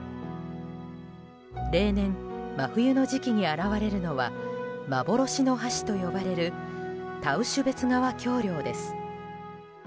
例年、真冬の時期に現れるのは幻の橋と呼ばれるタウシュベツ川橋梁です。